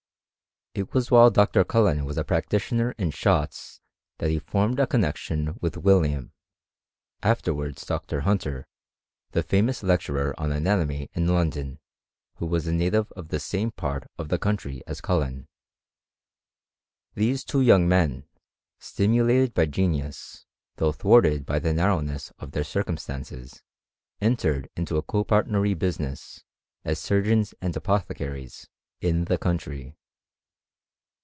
It was while Dr. CuUen was a practitioner in Shotts that he formed a connexion with William, afterwards Doctor Hunter, the famous lecturer on anatomy in London, who was a native of the same part of the country as CuUen. These two young men, stimulated by genius, though thwarted by the narrowness of their circumstances, entered into a copartnery business, as surgeons and apothecaries, in the country.